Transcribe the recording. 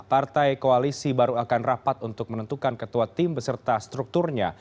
partai koalisi baru akan rapat untuk menentukan ketua tim beserta strukturnya